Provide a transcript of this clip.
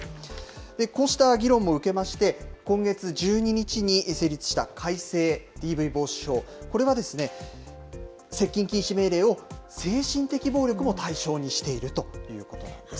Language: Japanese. こうした議論も受けまして、今月１２日に成立した改正ＤＶ防止法、これは接近禁止命令を精神的暴力も対象にしているということなんです。